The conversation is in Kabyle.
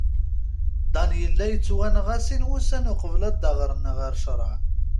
Dan yella yettwanɣa sin wussan uqbel ad d-aɣren ɣer ccreɛ.